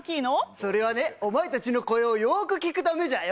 それはね、お前たちの声をよーく聞くためじゃよ。